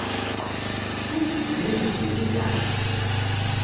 Foegje dizze side ta.